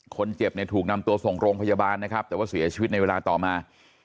คนเจ็บถูกนำตัวส่งโรงพยาบาลแต่เสียชีวิตในเวลาต่อมา